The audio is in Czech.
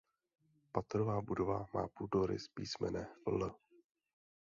Patrová budova má půdorys písmene „L“.